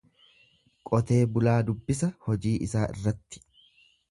Qotee bulaa dubbisa hojii isaa irratti.